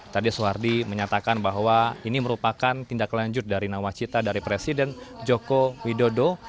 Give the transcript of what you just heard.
tadi soehardi menyatakan bahwa ini merupakan tindak lanjut dari nawacita dari presiden joko widodo